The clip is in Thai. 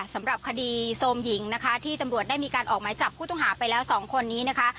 สำหรับคดีโซมหญิงนะคะที่ตำรวจได้มีการออกหมายจับผู้ต้องหาไปแล้วสองคนนี้นะคะ